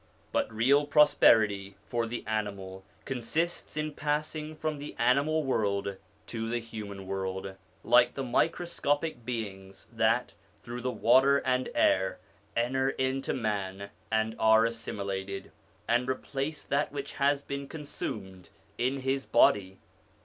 But real prosperity for the animal consists in passing from the animal world to the human world, like the microscopic beings that, through the water and air, enter into man and are assimilated, and replace that which has been consumed in his body.